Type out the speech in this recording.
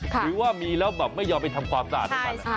หรือว่ามีแล้วแบบไม่ยอมไปทำความสะอาดให้มัน